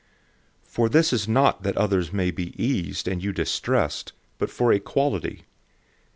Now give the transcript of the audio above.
008:013 For this is not that others may be eased and you distressed, 008:014 but for equality.